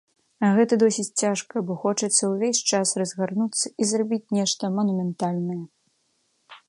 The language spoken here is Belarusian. А гэта досыць цяжка, бо хочацца ўвесь час разгарнуцца і зрабіць нешта манументальнае.